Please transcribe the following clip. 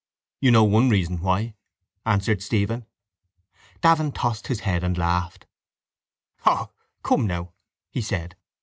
—You know one reason why, answered Stephen. Davin tossed his head and laughed. —Oh, come now, he said.